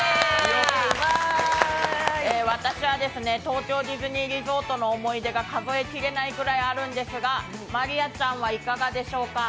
私は東京ディズニーリゾートの思い出が数え切れないぐらいあるんですが、真莉愛ちゃんはいかがでしょうか。